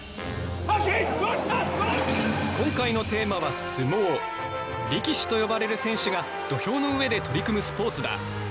今回の力士と呼ばれる選手が土俵の上で取り組むスポーツだ。